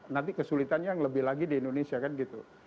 nanti kesulitan yang lebih lagi di indonesia kan gitu